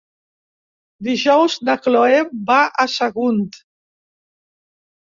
Dijous na Chloé va a Sagunt.